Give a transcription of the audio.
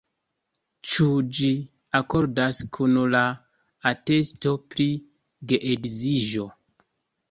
Ĉu ĝi akordas kun la atesto pri geedziĝo?